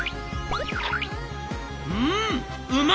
「うん！うまい！」。